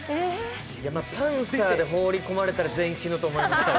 やっぱりパンサーで放り込まれたら全員死ぬと思います。